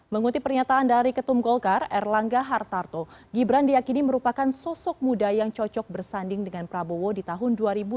mengutip pernyataan dari ketum golkar erlangga hartarto gibran diakini merupakan sosok muda yang cocok bersanding dengan prabowo di tahun dua ribu dua puluh